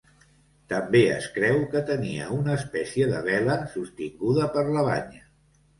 També es creu que tenia una espècie de vela, sostinguda per la banya.